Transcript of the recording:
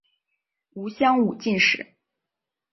吴襄武进士。